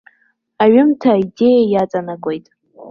Аҩымҭа аидеиа иаҵанакуеит.